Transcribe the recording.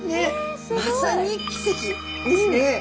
まさに奇跡ですね。